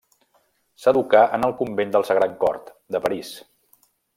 S'educà en el convent del Sagrat Cor, de París.